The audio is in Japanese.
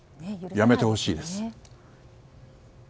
やめてほしいです。